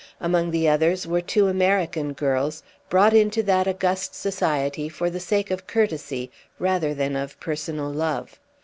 Among the others were two American girls, brought into that august society for the sake of courtesy rather than of personal love.